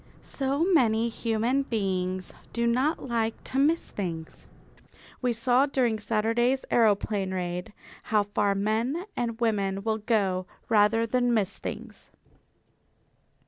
So many human beings do not like to miss things. We saw during Saturday's aeroplane raid how far men and women will go rather than miss things.